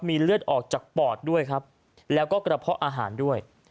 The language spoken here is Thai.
มีเลือดออกจากปอดด้วยครับแล้วก็กระเพาะอาหารด้วย